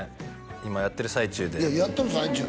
今やってる最中でいややっとる最中？